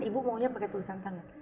ibu maunya pakai tulisan tangan